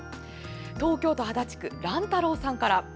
東京都足立区、乱太郎さんから。